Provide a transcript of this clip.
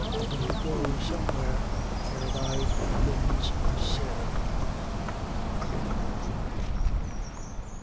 Up and go somewhere, ere thy limbs are sere."